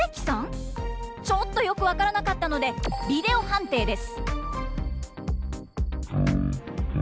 ちょっとよく分からなかったのでビデオ判定です。